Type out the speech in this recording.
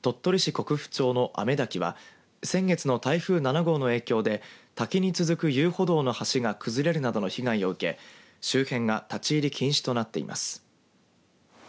国府町の雨滝は先月の台風７号の影響で滝に続く遊歩道の橋が崩れるなどの被害を受け周辺が立ち入り禁止となってます。